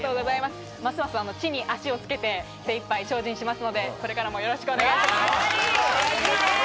ますます地に足をつけて、精いっぱい精進しますので、これからもよろしくお願いします。